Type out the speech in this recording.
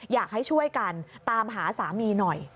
อยากให้ช่วยกันตามหาสามีหน่อย